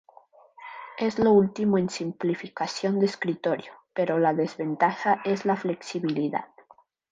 Es lo último en simplificación de escritorio, pero la desventaja es la flexibilidad.